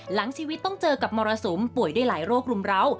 หลังชีวิตต้องเจอกับมรสุมป่วยได้หลายโรครุมร้าว